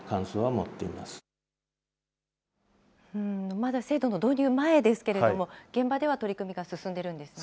まだ制度の導入前ですけれども、現場では取り組みが進んでいるんですね。